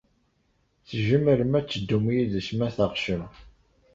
Tzemrem ad teddum yid-s, ma teɣsem.